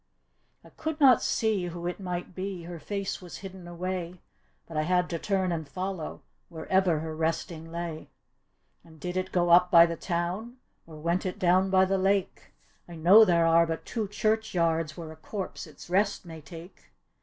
" I could not see who it might he, Her face was hidden away. But I had' to turn and follow Wherever her resting lay." "And did it go up by die town, Or went it down by the lake? I know there arc but two churcii yards Where a corpse its rest may take."